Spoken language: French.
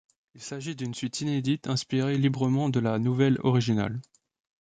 Il s'agit d'une suite inédite inspirée librement de la nouvelle originale.